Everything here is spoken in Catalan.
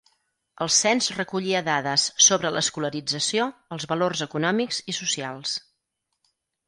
El cens recollia dades sobre l'escolarització, els valors econòmics i socials.